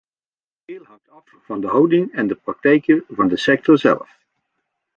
Veel hangt af van de houding en de praktijken van de sector zelf.